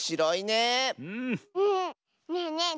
ねえねえ